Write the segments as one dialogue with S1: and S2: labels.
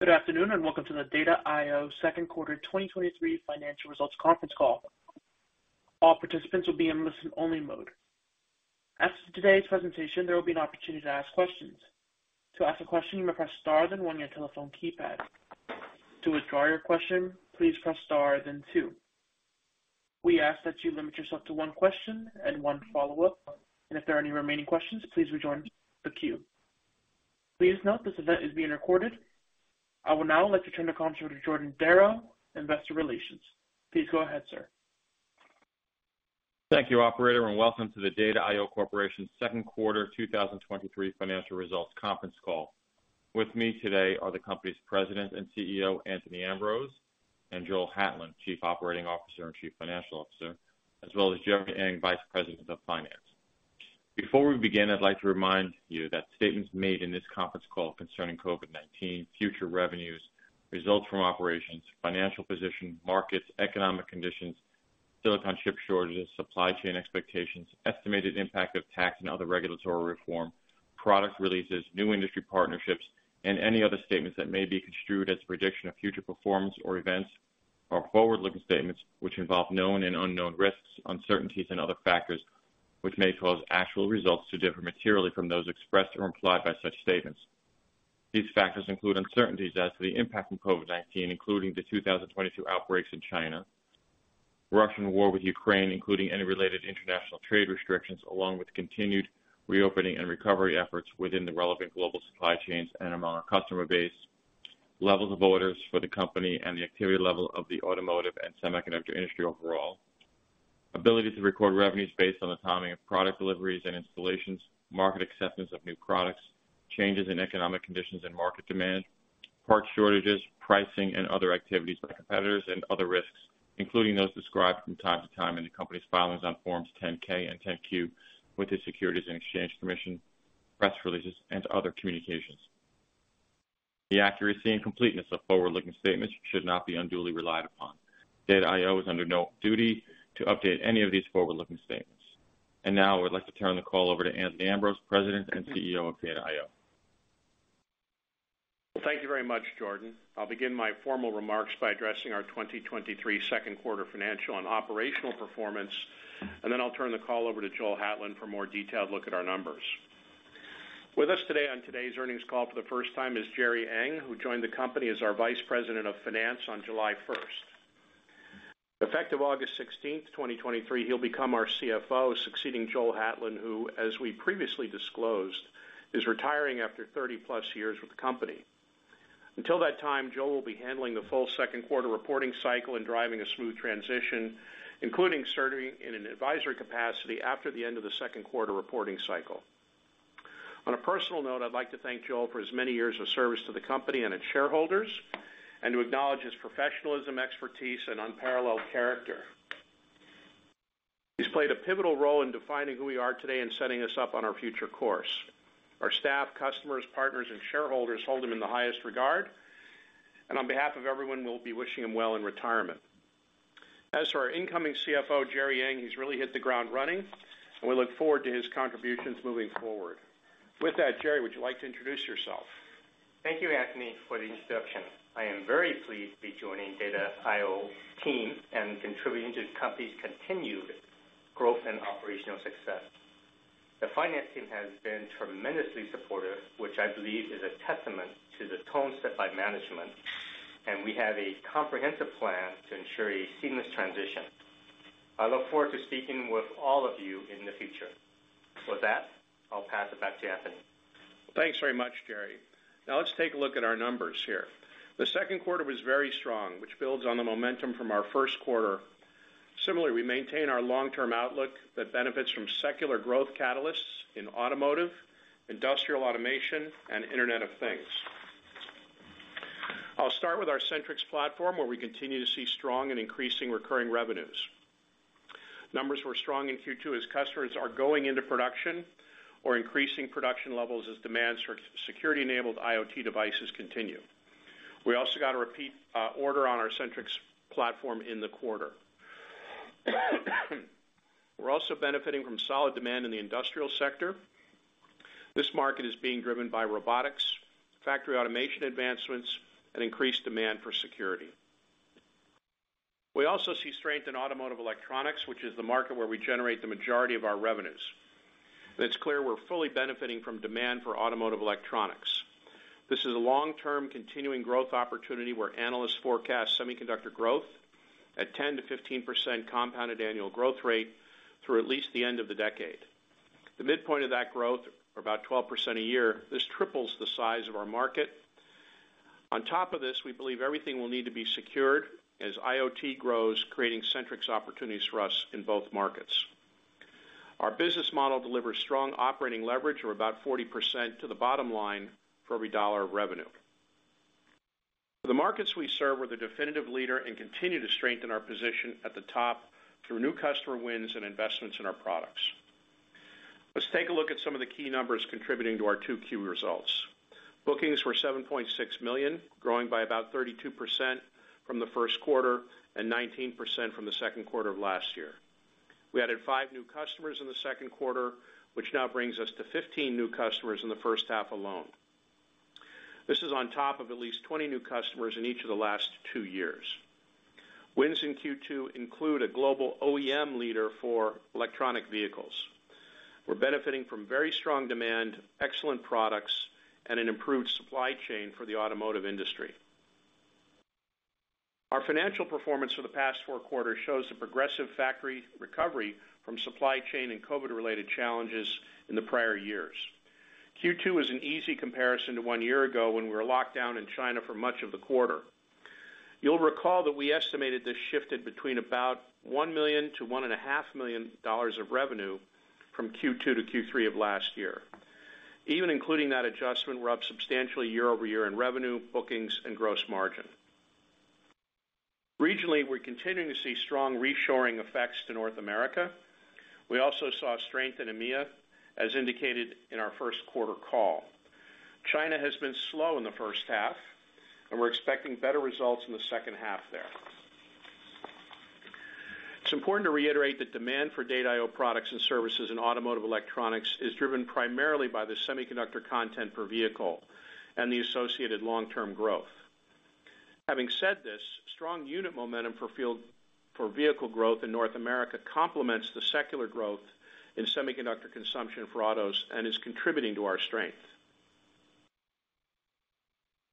S1: Good afternoon, welcome to the Data I/O Second Quarter 2023 Financial Results Conference Call. All participants will be in listen-only mode. As to today's presentation, there will be an opportunity to ask questions. To ask a question, you may press star one on your telephone keypad. To withdraw your question, please press star two. We ask that you limit yourself to one question and one follow-up, and if there are any remaining questions, please rejoin the queue. Please note this event is being recorded. I will now like to turn the conference over to Jordan Darrow, Investor Relations. Please go ahead, sir.
S2: Thank you, operator, and welcome to the Data I/O Corporation 2nd Quarter 2023 Financial Results Conference Call. With me today are the company's President and CEO, Anthony Ambrose, and Joel Hatlen, Chief Operating Officer and Chief Financial Officer, as well as Gerry Ng, Vice President of Finance. Before we begin, I'd like to remind you that statements made in this conference call concerning COVID-19, future revenues, results from operations, financial position, markets, economic conditions, silicon chip shortages, supply chain expectations, estimated impact of tax and other regulatory reform, product releases, new industry partnerships, and any other statements that may be construed as prediction of future performance or events are forward-looking statements which involve known and unknown risks, uncertainties, and other factors, which may cause actual results to differ materially from those expressed or implied by such statements. These factors include uncertainties as to the impact from COVID-19, including the 2022 outbreaks in China, Russian war with Ukraine, including any related international trade restrictions, along with continued reopening and recovery efforts within the relevant global supply chains and among our customer base, levels of orders for the company, and the activity level of the automotive and semiconductor industry overall. Ability to record revenues based on the timing of product deliveries and installations, market acceptance of new products, changes in economic conditions and market demand, part shortages, pricing and other activities by competitors, and other risks, including those described from time to time in the company's filings on Forms 10-K and 10-Q with the Securities and Exchange Commission, press releases, and other communications. The accuracy and completeness of forward-looking statements should not be unduly relied upon. Data I/O is under no duty to update any of these forward-looking statements. Now I would like to turn the call over to Anthony Ambrose, President and CEO of Data I/O.
S3: Thank you very much, Jordan. I'll begin my formal remarks by addressing our 2023 second quarter financial and operational performance, and then I'll turn the call over to Joel Hatlen for a more detailed look at our numbers. With us today on today's earnings call for the first time is Gerry Ng, who joined the company as our Vice President of Finance on July 1st. Effective August 16th, 2023, he'll become our CFO, succeeding Joel Hatlen, who, as we previously disclosed, is retiring after 30-plus years with the company. Until that time, Joel will be handling the full second quarter reporting cycle and driving a smooth transition, including serving in an advisory capacity after the end of the second quarter reporting cycle. On a personal note, I'd like to thank Joel for his many years of service to the company and its shareholders, and to acknowledge his professionalism, expertise, and unparalleled character. He's played a pivotal role in defining who we are today and setting us up on our future course. Our staff, customers, partners, and shareholders hold him in the highest regard, and on behalf of everyone, we'll be wishing him well in retirement. As for our incoming CFO, Gerry Ng, he's really hit the ground running, and we look forward to his contributions moving forward. With that, Gerry, would you like to introduce yourself?
S4: Thank you, Anthony, for the introduction. I am very pleased to be joining Data I/O team and contributing to the company's continued growth and operational success. The finance team has been tremendously supportive, which I believe is a testament to the tone set by management, and we have a comprehensive plan to ensure a seamless transition. I look forward to speaking with all of you in the future. With that, I'll pass it back to Anthony.
S3: Thanks very much, Jerry. Let's take a look at our numbers here. The second quarter was very strong, which builds on the momentum from our first quarter. Similarly, we maintain our long-term outlook that benefits from secular growth catalysts in automotive, industrial automation, and Internet of Things. I'll start with our SentriX platform, where we continue to see strong and increasing recurring revenues. Numbers were strong in Q2 as customers are going into production or increasing production levels as demands for security-enabled IoT devices continue. We also got a repeat order on our SentriX platform in the quarter. We're also benefiting from solid demand in the industrial sector. This market is being driven by robotics, factory automation advancements, and increased demand for security. We also see strength in automotive electronics, which is the market where we generate the majority of our revenues. It's clear we're fully benefiting from demand for automotive electronics. This is a long-term, continuing growth opportunity, where analysts forecast semiconductor growth at 10%-15% compounded annual growth rate through at least the end of the decade. The midpoint of that growth, or about 12% a year, this triples the size of our market. On top of this, we believe everything will need to be secured as IoT grows, creating SentriX opportunities for us in both markets. Our business model delivers strong operating leverage of about 40% to the bottom line for every dollar of revenue. The markets we serve are the definitive leader and continue to strengthen our position at the top through new customer wins and investments in our products. Let's take a look at some of the key numbers contributing to our 2Q results. Bookings were $7.6 million, growing by about 32% from the first quarter and 19% from the second quarter of last year. We added five new customers in the second quarter, which now brings us to 15 new customers in the first half alone. This is on top of at least 20 new customers in each of the last two years. Wins in Q2 include a global OEM leader for electric vehicles. We're benefiting from very strong demand, excellent products, and an improved supply chain for the automotive industry. Our financial performance for the past four quarters shows a progressive factory recovery from supply chain and COVID-related challenges in the prior years. Q2 is an easy comparison to one year ago, when we were locked down in China for much of the quarter. You'll recall that we estimated this shifted between about $1 million-$1.5 million of revenue from Q2 to Q3 of last year. Even including that adjustment, we're up substantially year-over-year in revenue, bookings, and gross margin. Regionally, we're continuing to see strong reshoring effects to North America. We also saw strength in EMEA, as indicated in our first quarter call. China has been slow in the first half, and we're expecting better results in the second half there. It's important to reiterate that demand for Data I/O products and services in automotive electronics is driven primarily by the semiconductor content per vehicle and the associated long-term growth. Having said this, strong unit momentum for vehicle growth in North America complements the secular growth in semiconductor consumption for autos and is contributing to our strength.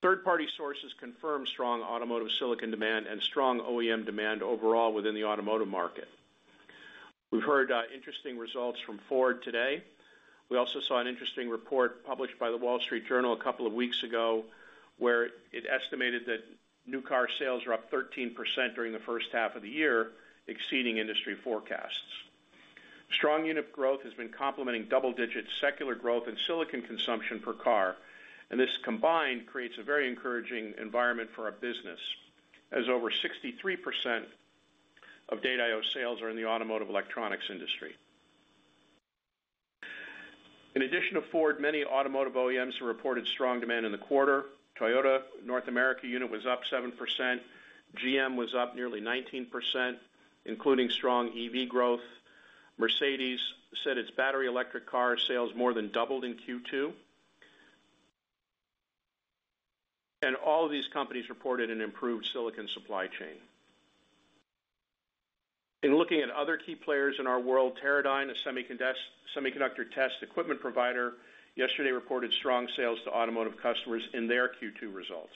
S3: Third-party sources confirm strong automotive silicon demand and strong OEM demand overall within the automotive market. We've heard interesting results from Ford today. We also saw an interesting report published by The Wall Street Journal a couple of weeks ago, where it estimated that new car sales were up 13% during the first half of the year, exceeding industry forecasts. Strong unit growth has been complementing double-digit secular growth in silicon consumption per car, and this combined creates a very encouraging environment for our business, as over 63% of Data I/O sales are in the automotive electronics industry. In addition to Ford, many automotive OEMs have reported strong demand in the quarter. Toyota North America unit was up 7%. GM was up nearly 19%, including strong EV growth. Mercedes said its battery electric car sales more than doubled in Q2. All of these companies reported an improved silicon supply chain. In looking at other key players in our world, Teradyne, a semiconductor test equipment provider, yesterday reported strong sales to automotive customers in their Q2 results.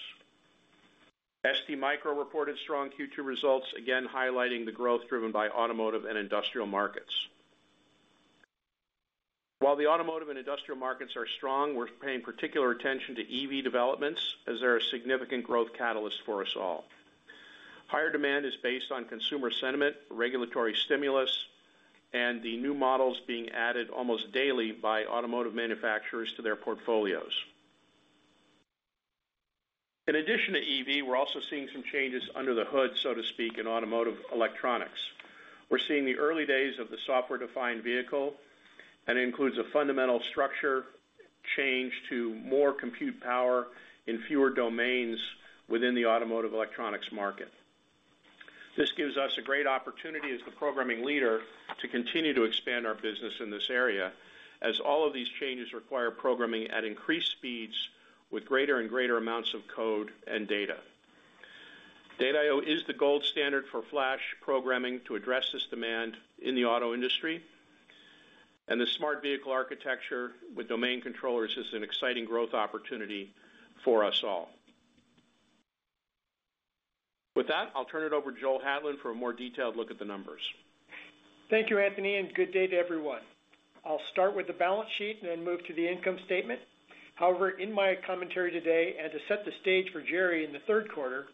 S3: STMicro reported strong Q2 results, again, highlighting the growth driven by automotive and industrial markets. While the automotive and industrial markets are strong, we're paying particular attention to EV developments as they're a significant growth catalyst for us all. Higher demand is based on consumer sentiment, regulatory stimulus, and the new models being added almost daily by automotive manufacturers to their portfolios. In addition to EV, we're also seeing some changes under the hood, so to speak, in automotive electronics. We're seeing the early days of the software-defined vehicle, and it includes a fundamental structure change to more compute power in fewer domains within the automotive electronics market. This gives us a great opportunity as the programming leader, to continue to expand our business in this area, as all of these changes require programming at increased speeds with greater and greater amounts of code and data. Data I/O is the gold standard for flash programming to address this demand in the auto industry, and the smart vehicle architecture with domain controllers is an exciting growth opportunity for us all. With that, I'll turn it over to Joel Hatlen for a more detailed look at the numbers.
S5: Thank you, Anthony, and good day to everyone. I'll start with the balance sheet and then move to the income statement. However, in my commentary today, and to set the stage for Gerry in the third quarter,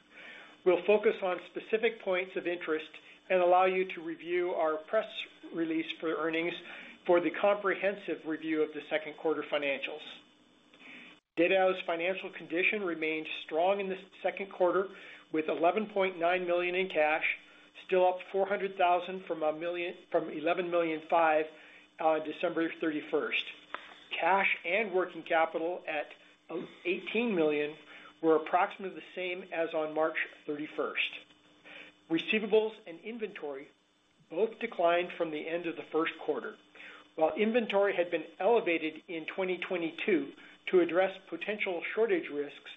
S5: we'll focus on specific points of interest and allow you to review our press release for earnings for the comprehensive review of the second quarter financials. Data I/O's financial condition remained strong in the second quarter, with $11.9 million in cash, still up $400,000 from $11.5 million, December 31st. Cash and working capital at $18 million, were approximately the same as on March 31st. Receivables and inventory both declined from the end of the first quarter. While inventory had been elevated in 2022 to address potential shortage risks,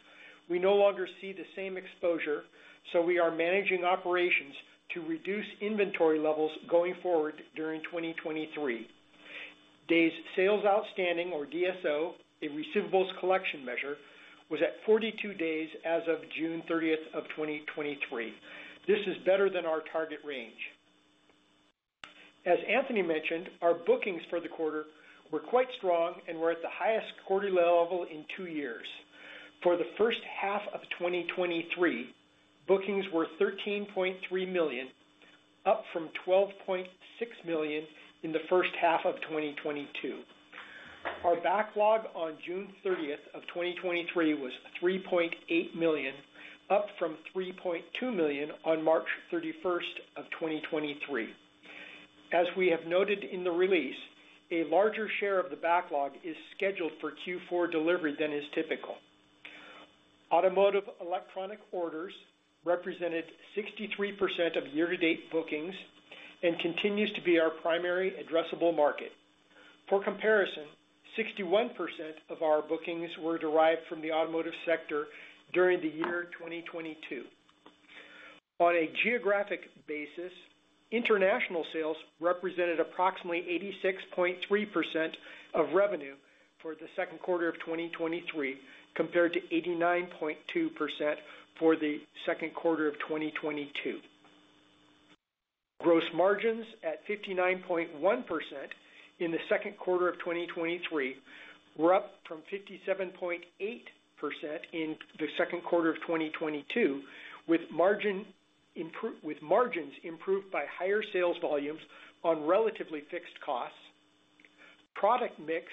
S5: we no longer see the same exposure, so we are managing operations to reduce inventory levels going forward during 2023. Days sales outstanding or DSO, a receivables collection measure, was at 42 days as of June 30th of 2023. This is better than our target range. As Anthony mentioned, our bookings for the quarter were quite strong and were at the highest quarterly level in two years. For the first half of 2023, bookings were $13.3 million, up from $12.6 million in the first half of 2022. Our backlog on June 30th of 2023 was $3.8 million, up from $3.2 million on March 31st of 2023. As we have noted in the release, a larger share of the backlog is scheduled for Q4 delivery than is typical.... Automotive electronic orders represented 63% of year-to-date bookings and continues to be our primary addressable market. For comparison, 61% of our bookings were derived from the automotive sector during the year 2022. On a geographic basis, international sales represented approximately 86.3% of revenue for the second quarter of 2023, compared to 89.2% for the second quarter of 2022. Gross margins at 59.1% in the second quarter of 2023 were up from 57.8% in the second quarter of 2022, with margins improved by higher sales volumes on relatively fixed costs. Product mix,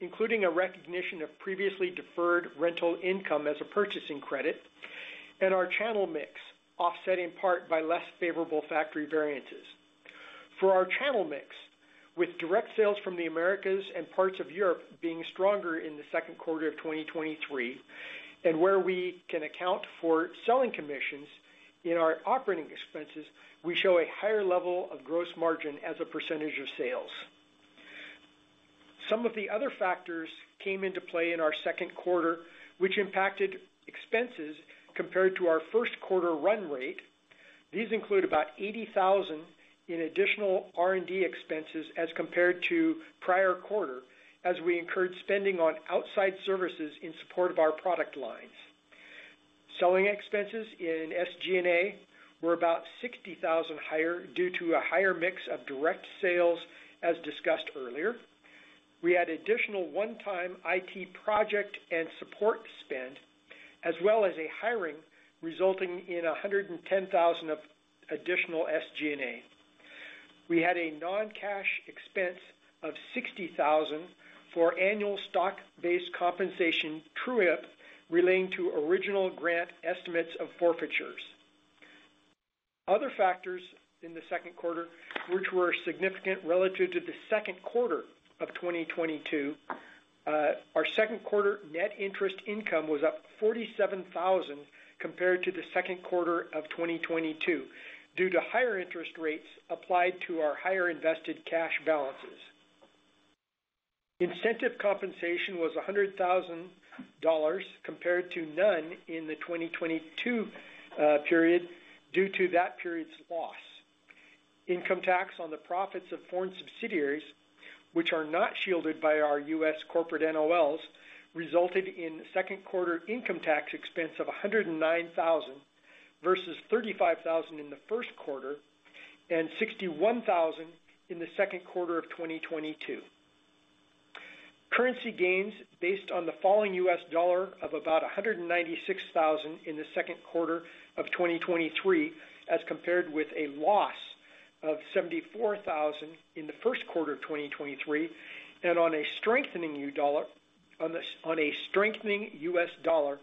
S5: including a recognition of previously deferred rental income as a purchasing credit, and our channel mix, offset in part by less favorable factory variances. For our channel mix, with direct sales from the Americas and parts of Europe being stronger in the second quarter of 2023, and where we can account for selling commissions in our operating expenses, we show a higher level of gross margin as a percentage of sales. Some of the other factors came into play in our second quarter, which impacted expenses compared to our first quarter run rate. These include about $80,000 in additional R&D expenses as compared to prior quarter, as we incurred spending on outside services in support of our product lines. Selling expenses in SG&A were about $60,000 higher due to a higher mix of direct sales, as discussed earlier. We had additional one-time IT project and support spend, as well as a hiring, resulting in $110,000 of additional SG&A. We had a non-cash expense of $60,000 for annual stock-based compensation true-up relating to original grant estimates of forfeitures. Other factors in the second quarter, which were significant relative to the second quarter of 2022. Our second quarter net interest income was up $47,000 compared to the second quarter of 2022, due to higher interest rates applied to our higher invested cash balances. Incentive compensation was $100,000, compared to none in the 2022 period, due to that period's loss. Income tax on the profits of foreign subsidiaries, which are not shielded by our US corporate NOLs, resulted in second quarter income tax expense of $109,000, vs $35,000 in the first quarter and $61,000 in the second quarter of 2022. Currency gains, based on the falling US dollar of about $196,000 in the second quarter of 2023, as compared with a loss of $74,000 in the first quarter of 2023, and on a strengthening US dollar,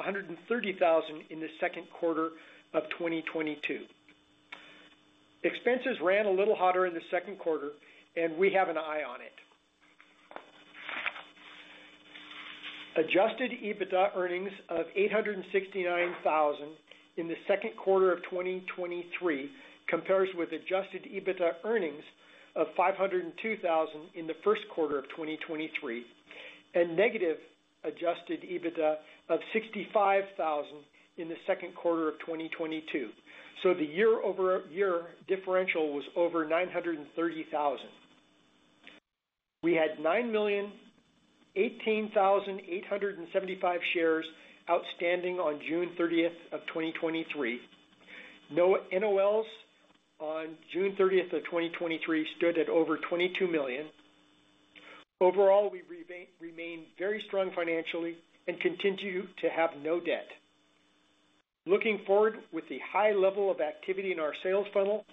S5: $130,000 in the second quarter of 2022. Expenses ran a little hotter in the second quarter, and we have an eye on it. adjusted EBITDA earnings of $869,000 in the second quarter of 2023, compares with adjusted EBITDA earnings of $502,000 in the first quarter of 2023, and negative adjusted EBITDA of $65,000 in the second quarter of 2022. The year-over-year differential was over $930,000. We had 9,018,875 shares outstanding on June 30, 2023. NOLs on June 30, 2023 stood at over $22 million. Overall, we remain very strong financially and continue to have no debt. Looking forward, with the high level of activity in our sales funnel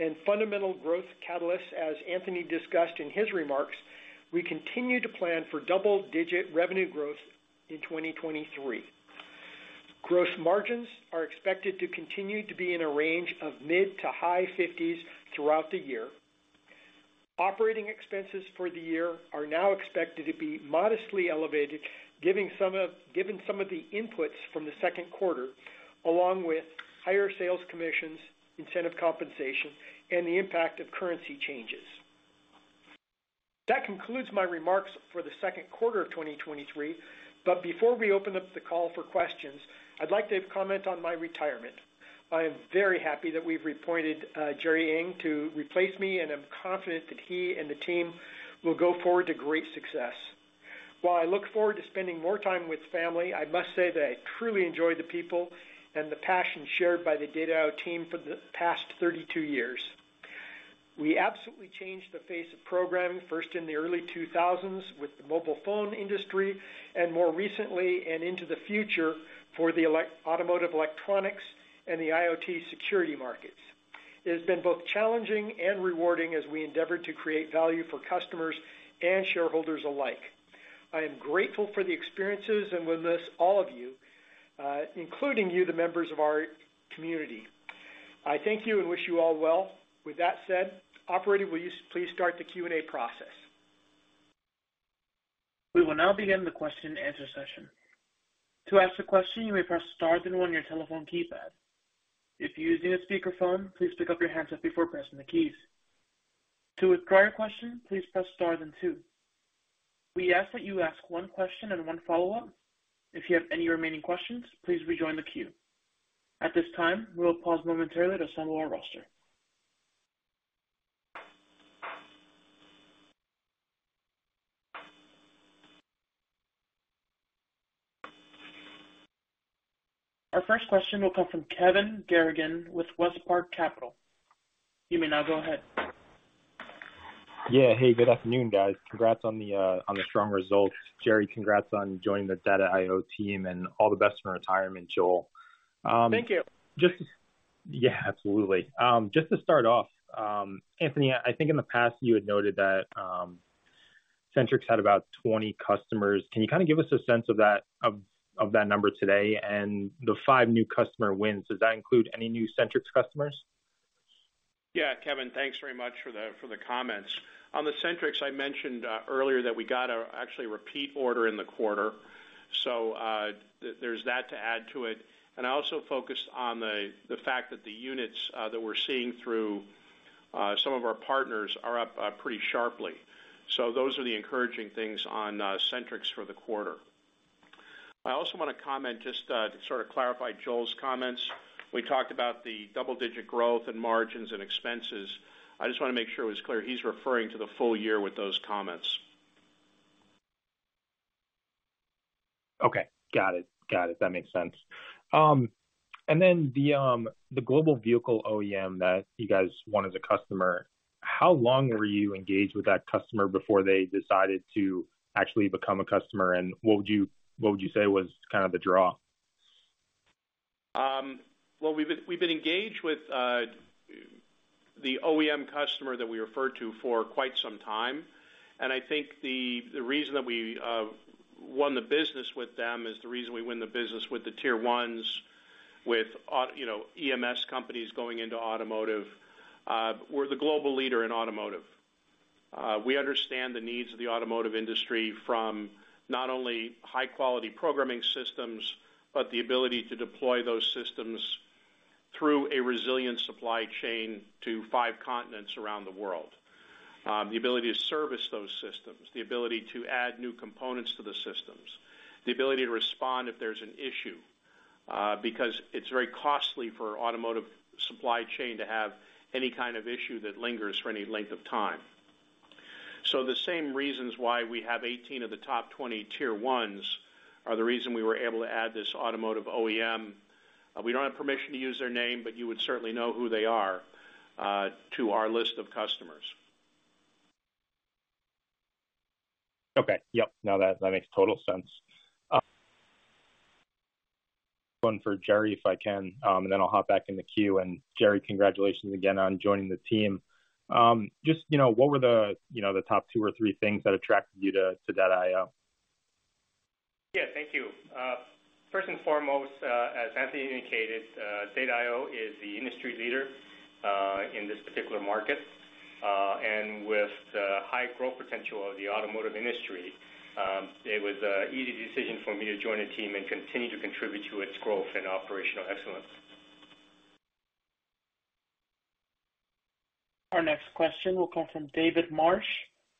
S5: and fundamental growth catalysts, as Anthony discussed in his remarks, we continue to plan for double-digit revenue growth in 2023. Gross margins are expected to continue to be in a range of mid to high fifties throughout the year. Operating expenses for the year are now expected to be modestly elevated, given some of the inputs from the second quarter, along with higher sales commissions, incentive compensation, and the impact of currency changes. That concludes my remarks for the second quarter of 2023. Before we open up the call for questions, I'd like to comment on my retirement. I am very happy that we've appointed Gerry Ng to replace me, and I'm confident that he and the team will go forward to great success. While I look forward to spending more time with family, I must say that I truly enjoy the people and the passion shared by the Data I/O team for the past 32 years. We absolutely changed the face of programming, first in the early 2000s with the mobile phone industry, and more recently and into the future for the automotive electronics and the IoT security markets. It has been both challenging and rewarding as we endeavored to create value for customers and shareholders alike. I am grateful for the experiences and will miss all of you, including you, the members of our community. I thank you and wish you all well. With that said, operator, will you please start the Q&A process?
S1: We will now begin the question and answer session. To ask a question, you may press star then one on your telephone keypad. If you're using a speakerphone, please pick up your handset before pressing the keys. To withdraw your question, please press star then two. We ask that you ask one question and one follow-up. If you have any remaining questions, please rejoin the queue. At this time, we will pause momentarily to assemble our roster. Our first question will come from Kevin Garrigan with WestPark Capital. You may now go ahead.
S6: Yeah. Hey, good afternoon, guys. Congrats on the on the strong results. Gerry, congrats on joining the Data I/O team and all the best in retirement, Joel.
S3: Thank you.
S6: Yeah, absolutely. Just to start off, Anthony, I think in the past, you had noted that SentriX had about 20 customers. Can you kind of give us a sense of that, of that number today and the five new customer wins? Does that include any new SentriX customers?
S3: Yeah, Kevin, thanks very much for the, for the comments. On the SentriX, I mentioned actually earlier that we got a repeat order in the quarter, so there's that to add to it. I also focused on the, the fact that the units that we're seeing through some of our partners are up pretty sharply. Those are the encouraging things on SentriX for the quarter. I also want to comment, just, to sort of clarify Joel's comments. We talked about the double-digit growth and margins and expenses. I just want to make sure it was clear, he's referring to the full year with those comments.
S6: Okay, got it. Got it. That makes sense. Then the global vehicle OEM that you guys wanted a customer, how long were you engaged with that customer before they decided to actually become a customer? What would you, what would you say was kind of the draw?
S3: Well, we've been, we've been engaged with the OEM customer that we referred to for quite some time. I think the, the reason that we won the business with them is the reason we win the business with the Tier Ones, with you know, EMS companies going into automotive. We're the global leader in automotive. We understand the needs of the automotive industry from not only high quality programming systems, but the ability to deploy those systems through a resilient supply chain to five continents around the world. The ability to service those systems, the ability to add new components to the systems, the ability to respond if there's an issue, because it's very costly for automotive supply chain to have any kind of issue that lingers for any length of time. The same reasons why we have 18 of the top 20 Tier Ones, are the reason we were able to add this automotive OEM. We don't have permission to use their name, but you would certainly know who they are, to our list of customers.
S6: Okay. Yep, now that, that makes total sense. One for Gerry, if I can, and then I'll hop back in the queue. Gerry, congratulations again on joining the team. Just, you know, what were the, you know, the top two or three things that attracted you to, to Data I/O?
S4: Yeah, thank you. First and foremost, as Anthony indicated, Data I/O is the industry leader, in this particular market. With the high growth potential of the automotive industry, it was a easy decision for me to join the team and continue to contribute to its growth and operational excellence.
S1: Our next question will come from David Marsh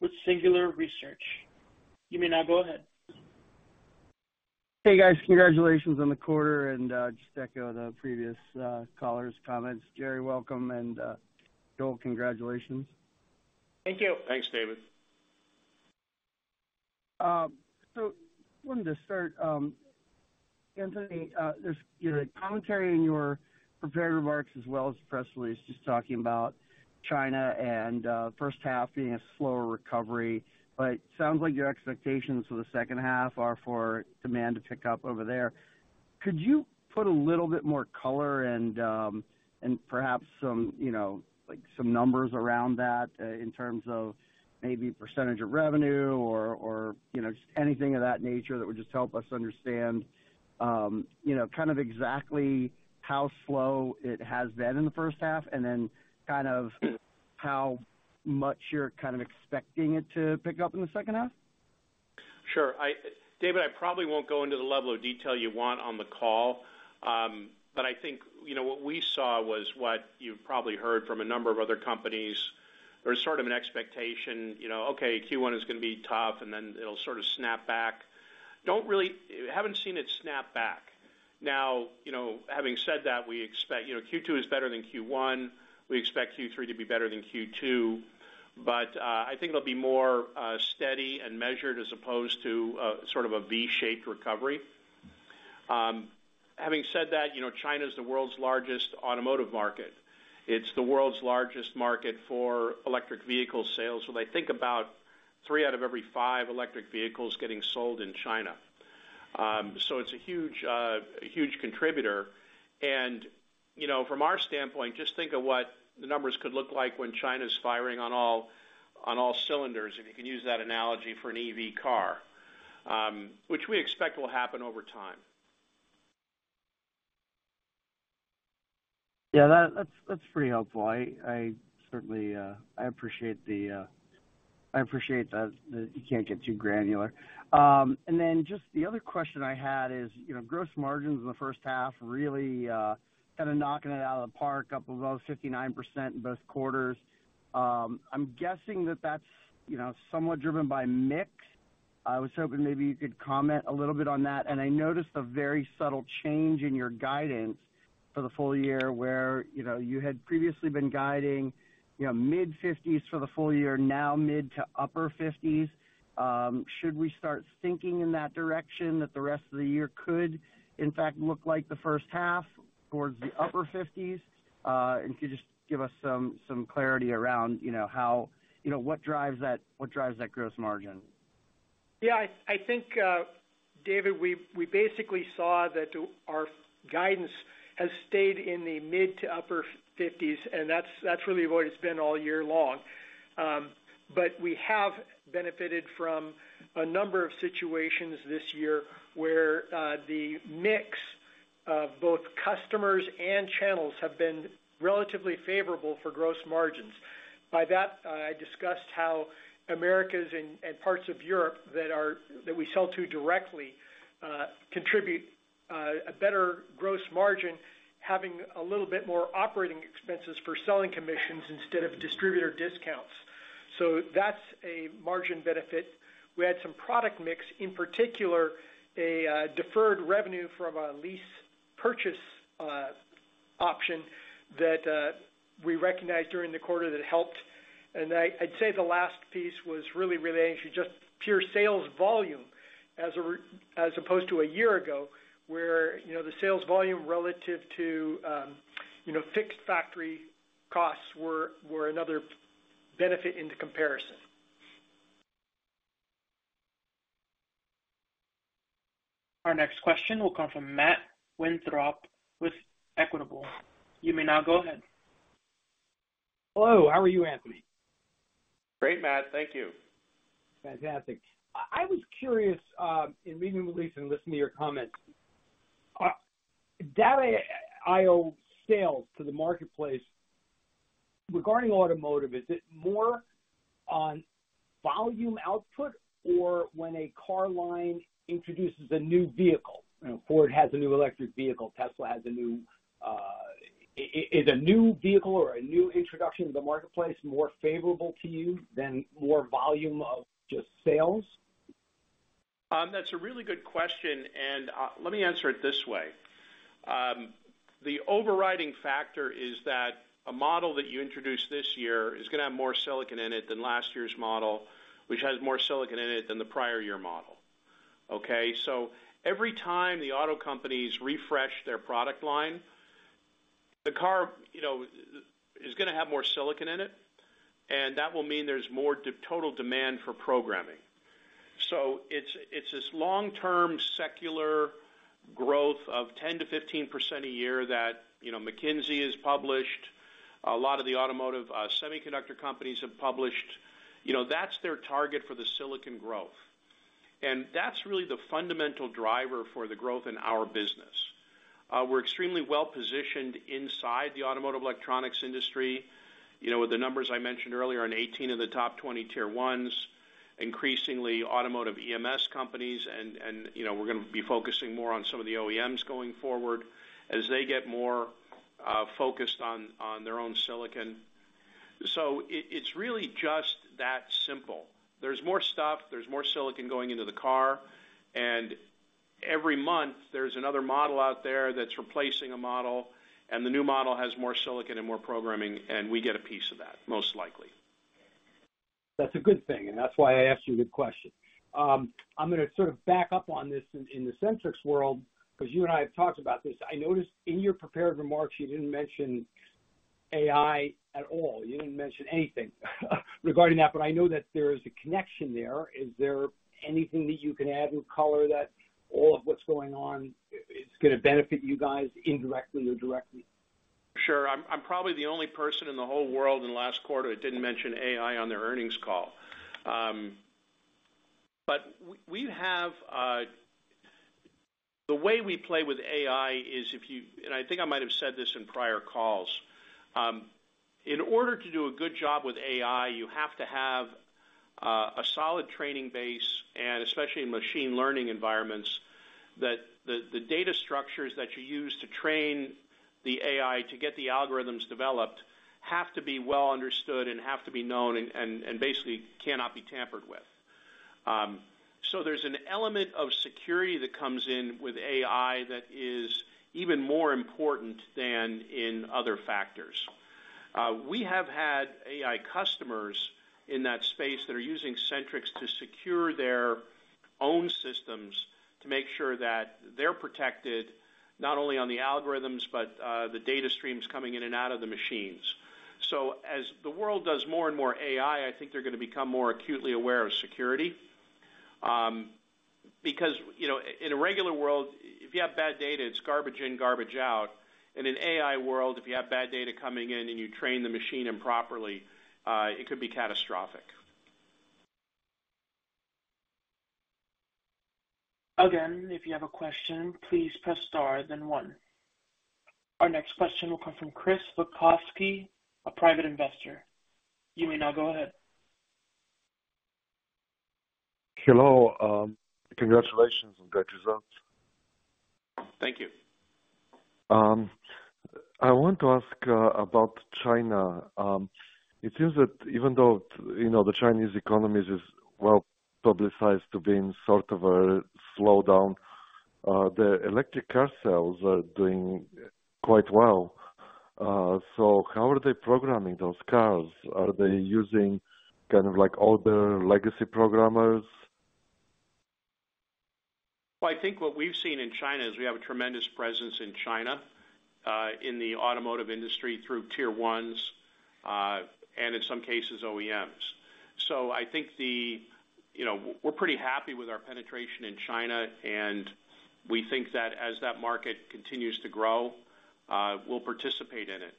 S1: with Singular Research. You may now go ahead.
S7: Hey, guys. Congratulations on the quarter and just to echo the previous caller's comments. Gerry, welcome, and Joel, congratulations.
S3: Thank you.
S4: Thanks, David.
S7: I wanted to start, Anthony, there's your commentary in your prepared remarks, as well as the press release, just talking about China and first half being a slower recovery. It sounds like your expectations for the second half are for demand to pick up over there. Could you put a little bit more color and perhaps some, you know, like, some numbers around that, in terms of maybe % of revenue or, or, you know, just anything of that nature that would just help us understand, you know, kind of exactly how slow it has been in the first half, and then kind of how much you're kind of expecting it to pick up in the second half?
S3: Sure. David, I think, you know, what we saw was what you've probably heard from a number of other companies. There's sort of an expectation, you know, okay, Q1 is gonna be tough, and then it'll sort of snap back. Don't really. Haven't seen it snap back. Now, you know, having said that, we expect, you know, Q2 is better than Q1. We expect Q3 to be better than Q2, but I think it'll be more steady and measured, as opposed to sort of a V-shaped recovery. Having said that, you know, China is the world's largest automotive market. It's the world's largest market for electric vehicle sales. I think about three out of every five electric vehicles getting sold in China. It's a huge, a huge contributor. You know, from our standpoint, just think of what the numbers could look like when China's firing on all, on all cylinders, if you can use that analogy for an EV car, which we expect will happen over time.
S7: Yeah, that, that's, that's pretty helpful. I, I certainly, I appreciate the, I appreciate that, that you can't get too granular. Just the other question I had is, you know, gross margins in the first half, really, kind of knocking it out of the park, up above 59% in both quarters. I'm guessing that that's, you know, somewhat driven by mix. I was hoping maybe you could comment a little bit on that, and I noticed a very subtle change in your guidance for the full year, where, you know, you had previously been guiding, you know, mid-50s for the full year, now mid to upper 50s. Should we start thinking in that direction that the rest of the year could, in fact, look like the first half towards the upper 50s? If you could just give us some, some clarity around, you know, you know, what drives that, what drives that gross margin?
S5: Yeah, I, I think, David, we, we basically saw that our guidance has stayed in the mid to upper fifties, and that's, that's really what it's been all year long. We have benefited from a number of situations this year where the mix of both customers and channels have been relatively favorable for gross margins. By that, I discussed how Americas and parts of Europe that are-- that we sell to directly contribute a better gross margin, having a little bit more operating expenses for selling commissions instead of distributor discounts. That's a margin benefit. We had some product mix, in particular, a deferred revenue from a lease purchase option that we recognized during the quarter that helped. I, I'd say the last piece was really, really just pure sales volume as opposed to a year ago, where, you know, the sales volume relative to, you know, fixed factory costs were, were another benefit in the comparison.
S1: Our next question will come from Matt Winthrop with Equitable. You may now go ahead.
S8: Hello, how are you, Anthony?
S3: Great, Matt. Thank you.
S8: Fantastic. I, I was curious, in reading the release and listening to your comments, Data I/O sales to the marketplace regarding automotive, is it more on volume output or when a car line introduces a new vehicle? You know, Ford has a new electric vehicle, Tesla has a new vehicle or a new introduction to the marketplace, more favorable to you than more volume of just sales?
S3: That's a really good question, and let me answer it this way. The overriding factor is that a model that you introduce this year is gonna have more silicon in it than last year's model, which has more silicon in it than the prior year model. Okay, every time the auto companies refresh their product line, the car, you know, is gonna have more silicon in it, and that will mean there's more total demand for programming. It's, it's this long-term secular growth of 10%-15% a year that, you know, McKinsey has published. A lot of the automotive semiconductor companies have published. You know, that's their target for the silicon growth. That's really the fundamental driver for the growth in our business. We're extremely well-positioned inside the automotive electronics industry. You know, with the numbers I mentioned earlier, in 18 of the top 20 Tier Ones, increasingly automotive EMS companies, and, you know, we're gonna be focusing more on some of the OEMs going forward as they get more focused on their own silicon. It's really just that simple. There's more stuff, there's more silicon going into the car, and every month, there's another model out there that's replacing a model, and the new model has more silicon and more programming, and we get a piece of that, most likely.
S8: That's a good thing. That's why I asked you the question. I'm gonna sort of back up on this in, in the SentriX world, because you and I have talked about this. I noticed in your prepared remarks, you didn't mention AI at all. You didn't mention anything regarding that, but I know that there is a connection there. Is there anything that you can add or color that all of what's going on is gonna benefit you guys indirectly or directly?
S3: Sure. I'm, I'm probably the only person in the whole world in the last quarter that didn't mention AI on their earnings call. The way we play with AI is and I think I might have said this in prior calls, in order to do a good job with AI, you have to have a solid training base, and especially in machine learning environments, that the data structures that you use to train the AI to get the algorithms developed, have to be well understood and have to be known and basically cannot be tampered with. There's an element of security that comes in with AI that is even more important than in other factors. We have had AI customers in that space that are using SentriX to secure their own systems, to make sure that they're protected, not only on the algorithms, but the data streams coming in and out of the machines. As the world does more and more AI, I think they're gonna become more acutely aware of security. Because, you know, in a regular world, if you have bad data, it's garbage in, garbage out. In AI world, if you have bad data coming in and you train the machine improperly, it could be catastrophic.
S1: Again, if you have a question, please press star, then one. Our next question will come from Chris Bokosky, a private investor. You may now go ahead.
S9: Hello. Congratulations on great results.
S3: Thank you.
S9: I want to ask about China. It seems that even though, you know, the Chinese economy is, is well publicized to be in sort of a slowdown, the electric car sales are doing quite well. How are they programming those cars? Are they using kind of like older legacy programmers?
S3: Well, I think what we've seen in China is we have a tremendous presence in China, in the automotive industry through Tier Ones, and in some cases, OEMs. I think the, you know, we're pretty happy with our penetration in China, and we think that as that market continues to grow, we'll participate in it.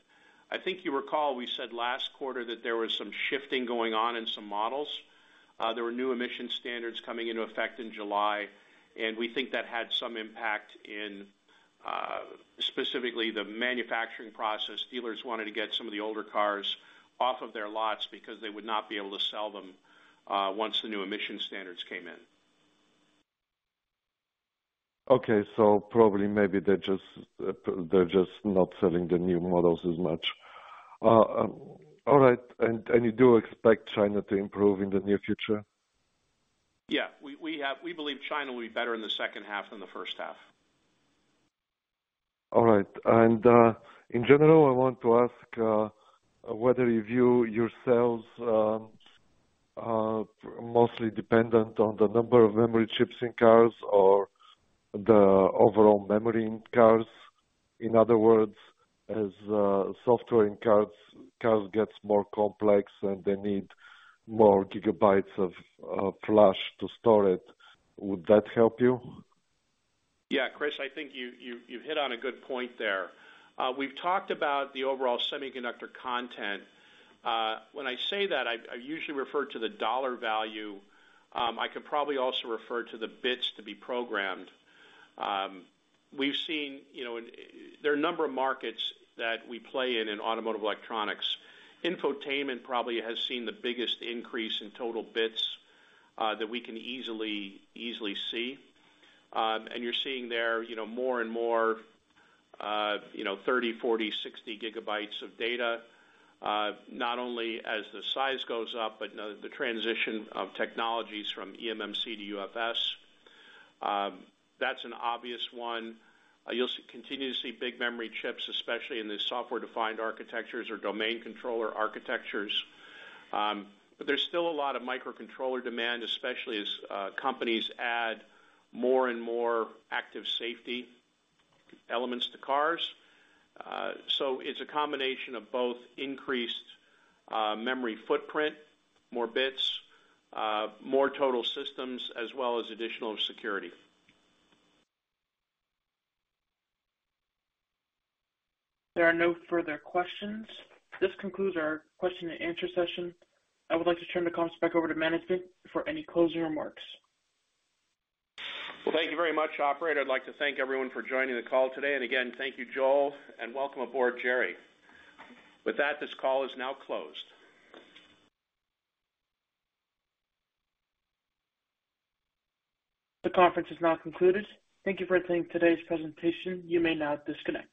S3: I think you recall, we said last quarter that there was some shifting going on in some models. There were new emission standards coming into effect in July, and we think that had some impact in specifically the manufacturing process. Dealers wanted to get some of the older cars off of their lots because they would not be able to sell them once the new emission standards came in. Okay. probably, maybe they're just, they're just not selling the new models as much. all right, you do expect China to improve in the near future? Yeah. We believe China will be better in the second half than the first half.
S9: All right. In general, I want to ask whether you view your sales mostly dependent on the number of memory chips in cars or the overall memory in cars. In other words, as software in cars, cars gets more complex, and they need more gigabytes of flash to store it, would that help you?
S3: Yeah, Chris, I think you, you, you've hit on a good point there. We've talked about the overall semiconductor content. When I say that, I, I usually refer to the dollar value. I could probably also refer to the bits to be programmed. We've seen, you know, there are a number of markets that we play in, in automotive electronics. Infotainment probably has seen the biggest increase in total bits, that we can easily, easily see. And you're seeing there, you know, more and more, you know, 30, 40, 60 GB of data, not only as the size goes up, but no- the transition of technologies from eMMC to UFS. That's an obvious one. You'll see- continue to see big memory chips, especially in the software-defined architectures or domain controller architectures. There's still a lot of microcontroller demand, especially as companies add more and more active safety elements to cars. It's a combination of both increased memory footprint, more bits, more total systems, as well as additional security.
S1: There are no further questions. This concludes our question and answer session. I would like to turn the conference back over to management for any closing remarks.
S3: Well, thank you very much, operator. I'd like to thank everyone for joining the call today. Again, thank you, Joel, and welcome aboard, Jerry. With that, this call is now closed.
S1: The conference is now concluded. Thank you for attending today's presentation. You may now disconnect.